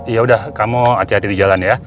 yaudah kamu hati hati di jalan ya